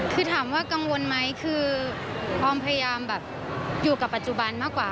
คือถามว่ากังวลไหมคือออมพยายามแบบอยู่กับปัจจุบันมากกว่า